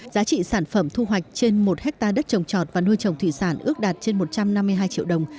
giá trị sản phẩm thu hoạch trên một hectare đất trồng trọt và nuôi trồng thủy sản ước đạt trên một trăm năm mươi hai triệu đồng